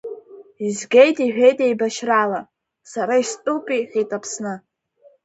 Изгеит иҳәеит еибашьрала, Сара истәуп, — иҳәеит, Аԥсны.